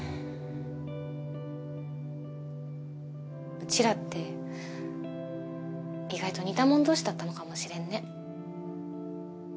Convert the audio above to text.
うちらって意外と似た者同士だったのかもしれんね。